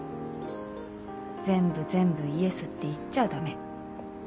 「全部全部イエスって言っちゃダメ」